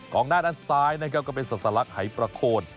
กล่องหน้านั้นซ้ายนั่นก็เป็นสรรสลักไหยประโคน